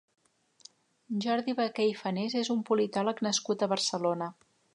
Jordi Vaquer i Fanés és un politòleg nascut a Barcelona.